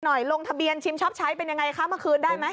ลงทะเบียนชิมช็อปใช้เป็นยังไงคะเมื่อคืนได้ไหม